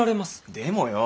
でもよぉ。